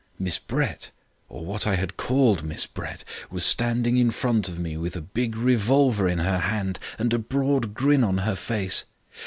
"Miss Brett or what I had called Miss Brett was standing in front of me with a big revolver in her hand and a broad grin on her face.